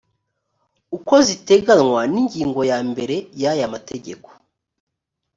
uko ziteganywa n ingingo ya mbere y aya mategeko